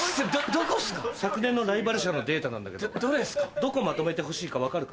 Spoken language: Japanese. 昨年のライバル社のデータなんだけどどこまとめてほしいか分かるか？